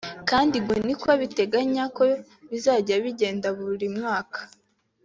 kandi ngo niko abiteganya ko bizajya bigenda buri mwaka